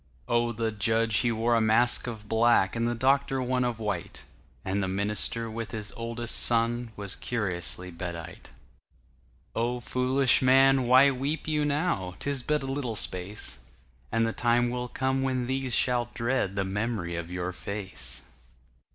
Oh, the judge, he wore a mask of black, And the doctor one of white, And the minister, with his oldest son, Was curiously bedight. Oh, foolish man, why weep you now?'Tis but a little space, And the time will come when these shall dreadThe mem'ry of your face.